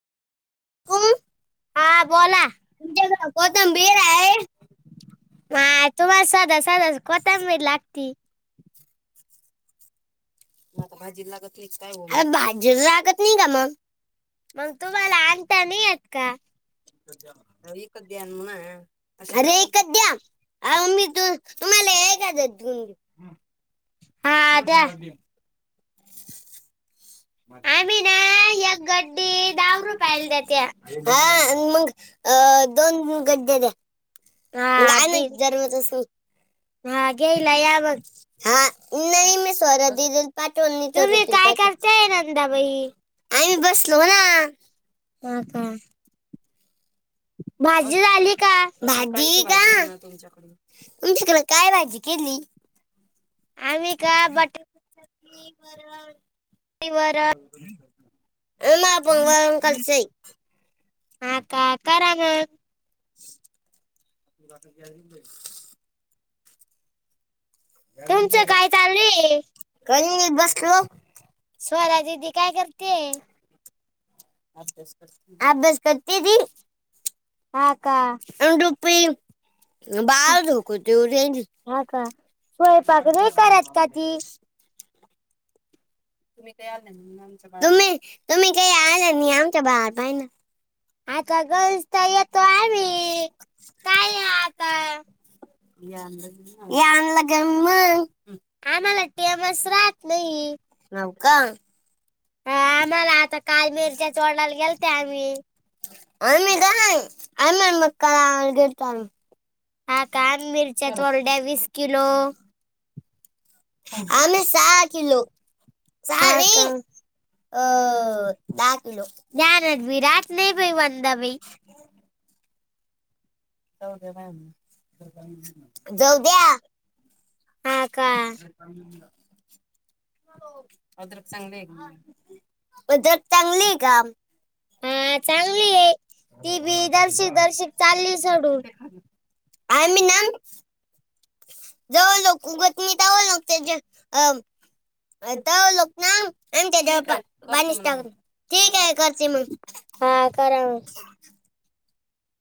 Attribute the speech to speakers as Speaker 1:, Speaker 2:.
Speaker 1: हा बोला.
Speaker 2: उद्या लावतो आता बाहेर हाय.
Speaker 1: माय तुम्हाला सदा सदाच खोटं बाईन लागती.
Speaker 2: मोको भाजी लागत नाहीच गो काय भाजी लाग.
Speaker 1: मग तुम्हाला आणता नाही येत का?
Speaker 2: ईकत द्या ना तर ईकत द्या ना. अरे ईकत द्या आम्ही तू तुम्हाला हजार द्यु. हा द्या [unintelligible] भाजी. आम्ही ना
Speaker 1: एक
Speaker 2: यक जोडी.
Speaker 1: गड्डी
Speaker 2: ही दहा
Speaker 1: रुपयाला
Speaker 2: रूपयला
Speaker 1: देत्या.
Speaker 2: भाजी हाय हा मग दोन गड्डया द्या. मग
Speaker 1: हा
Speaker 2: आहे ना
Speaker 1: ती
Speaker 2: जगन्याच सुख.
Speaker 1: हा घ्यायला या मग.
Speaker 2: हा नाही मी स्वरा दिदीला पाठवून देतो एक
Speaker 1: तुम्ही
Speaker 2: रुपाय.
Speaker 1: काय काय नंदाबाई
Speaker 2: हाई बसलो ना.
Speaker 1: हा का? भाजी झाली का?
Speaker 2: भाजी का तुमच्याकडे काय भाजी केली.
Speaker 1: आम्ही का बटा.
Speaker 2: वर
Speaker 1: वरण.
Speaker 2: [unintelligible] ए मागून वा काळचई.
Speaker 1: हा का कारा ग.
Speaker 2: वाता कले [unintelligible] तुमचं काय चालू हेय काही नाही बसलो.
Speaker 1: स्वरा दिदी काय करतीये.
Speaker 2: अभ्यास करती आभ्यास करती
Speaker 1: हा का
Speaker 2: अन रुपी. बाळ झोकत्यो रें जी.
Speaker 1: हो का स्वयंपाक नाही करत का ती
Speaker 2: तुम्ही काय आणलं नाही आमच्या बाळाला.. तुम्ही तुम्ही काही आणल नाही आमच्या बाळा पाहिना. आता रोज काय येतो आम्ही खाय आता ये आणल का नाही मग... ये आणल का नाही मंग
Speaker 1: आम्हाला टेमच राहत नाही.
Speaker 2: हाव का हा
Speaker 1: आम्हाला
Speaker 2: न
Speaker 1: आता काल मिरच्या तोडायला गेलते आम्ही
Speaker 2: [unintelligible] आम्ही काय आणा मग काय देताल केलतो आम्ही.
Speaker 1: हा काल मिरच्यात तोरड्या वीस किलो हा
Speaker 2: आम्ही सहा किलो सहा नाही
Speaker 1: का
Speaker 2: अ दहा किलो ध्यानात बी राहत नाही बाई माझ्या काय जाऊ द्या
Speaker 1: हा का
Speaker 2: अद्रक चांगली आहे का उद्रक चांगली आहे का हम [unintelligible]
Speaker 1: हा चांगली आहे ती बी जराशी जराशी चालली सोडून
Speaker 2: आम्ही ना जवळ लोक उगत नाही तरी लावतोय ज अ आ तवा लोक ना आमच्याच्यावळ पा बाणीस टा.. ठीक आहे करती मंग
Speaker 1: हा करा मग